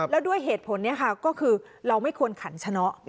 แล้วด้วยเหตุผลนี้ค่ะก็คือเราไม่ควรขันชนะ